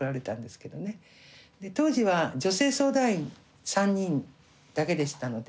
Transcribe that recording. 当時は女性相談員３人だけでしたので。